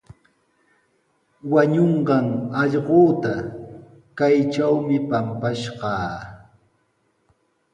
Wañunqan allquuta kaytrawmi pampashqaa.